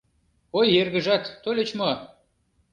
«Ой, эргыжат, тольыч мо?»